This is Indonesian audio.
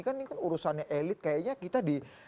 kan ini kan urusannya elit kayaknya kita di